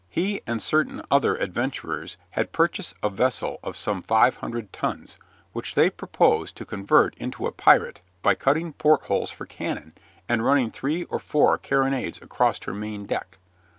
He and certain other adventurers had purchased a vessel of some five hundred tons, which they proposed to convert into a pirate by cutting portholes for cannon, and running three or four carronades across her main deck.